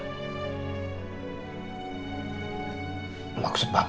maksud bapak maksud bapak